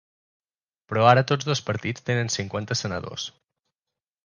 Però ara tots dos partits tenen cinquanta senadors.